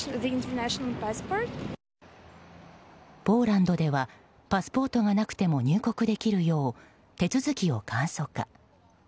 ポーランドでは、パスポートがなくても入国できるよう手続きを簡素化。